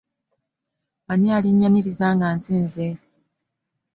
Ani alinnyaniriza nga nzize?